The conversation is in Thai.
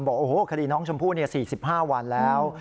บอกโอ้โหคดีน้องชมพู่๔๕วันแล้ว